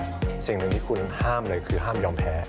สิ่งหนึ่งที่คุณห้ามเลยคือห้ามยอมแพ้